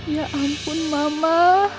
ya ampun mama